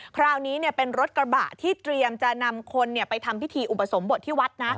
คราวนี้เป็นรถกระบะที่เตรียมจะนำคนไปทำพิธีอุปสมบทที่วัดนะ